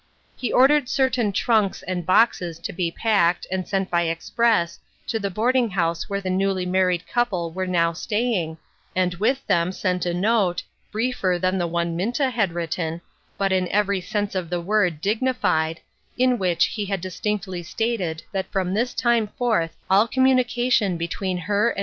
He ordered certain trunks and boxes to be packed, and sent by express, to the boarding house where the newly married couple were now staying, and with them sent a note, briefer than the one Minta had written, but in every sense of the word digni fied, in which he had distinctly stated that from this time forth all communication between her and 224 STORMY WEATHER.